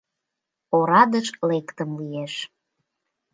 «Орадыш лектым лиеш.